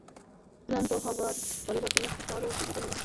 ক্লান্ত হবার পরিবর্তে মস্তিষ্ক আরো উত্তেজিত হল।